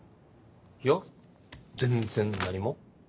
いや全然何も。